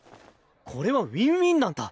これはウィンウィンなんだ！